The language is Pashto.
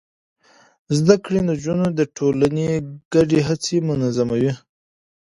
زده کړې نجونې د ټولنې ګډې هڅې منظموي.